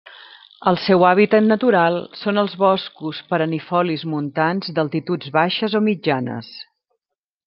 El seu hàbitat natural són els boscos perennifolis montans d'altituds baixes o mitjanes.